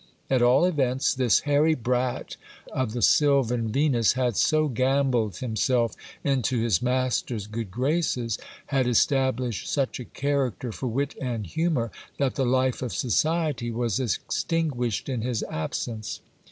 At all events, this hairy brat of the sylvan Venus had so gamboled himself into his master's good graces, had established such a character for wit and humour, that the life of society was extinguished in his absence.